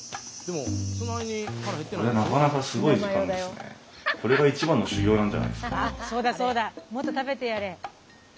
もっと食べてやれ。